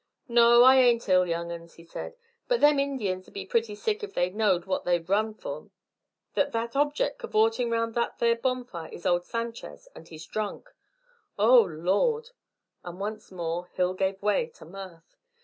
"No, I ain't ill, young 'uns," he said. "But them Indians 'ud be pretty sick if they knowed what they run from. That there object cavortin' round that there bonfire is old Sanchez, and he's drunk. Oh, Lord!" And once more Hill gave way to mirth.